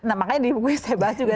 nah makanya di buku ini saya bahas juga